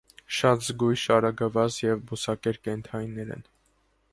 Շատ զգոյշ, արագավազ եւ բուսակեր կենդանիներ են։